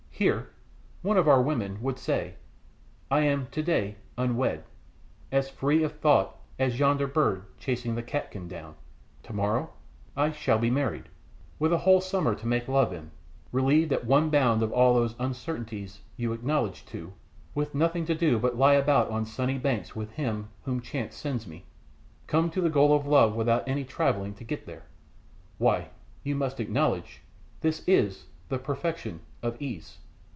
"'Here,' one of our women would say, 'am I to day, unwed, as free of thought as yonder bird chasing the catkin down; tomorrow I shall be married, with a whole summer to make love in, relieved at one bound of all those uncertainties you acknowledge to, with nothing to do but lie about on sunny banks with him whom chance sends me, come to the goal of love without any travelling to get there.' Why, you must acknowledge this is the perfection of ease."